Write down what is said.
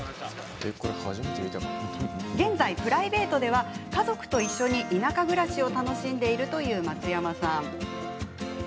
現在、プライベートでは家族とともに田舎暮らしを楽しんでいるという松山さん。